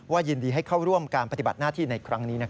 ยินดีให้เข้าร่วมการปฏิบัติหน้าที่ในครั้งนี้